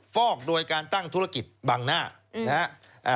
ฟอกโดยการตั้งธุรกิจบังหน้า